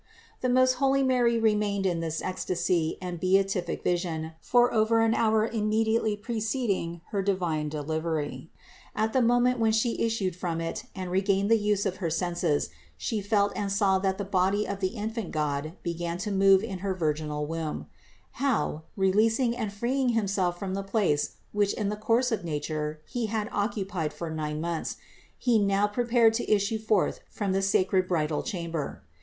475. The most holy Mary remained in this ecstasy and 2 27 398 CITY OF GOD beatific vision for over an hour immediately preceding her divine delivery. At the moment when She issued from it and regained the use of her senses She felt and saw that the body of the infant God began to move in her virginal womb; how, releasing and freeing Himself from the place which in the course of nature He had occupied for nine months, He now prepared to issue forth from that sacred bridal chamber.